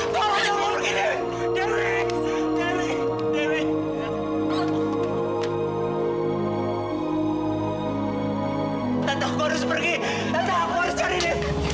tentang aku harus cari niel